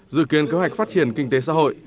dự kiến kế hoạch phát triển kinh tế xã hội